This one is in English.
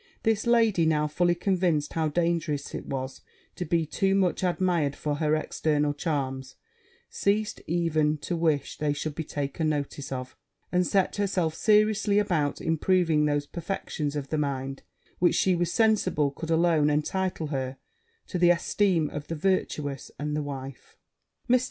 This lady, now fully convinced how dangerous it was to be too much admired for her external charms, ceased even to wish they should be taken notice of; and set herself seriously about improving those perfections of the mind which she was sensible could alone entitle her to the esteem of the virtuous and the wife. Mr.